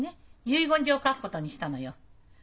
遺言状を書くことにしたのよ。